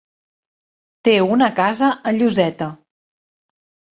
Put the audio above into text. Té una casa a Lloseta.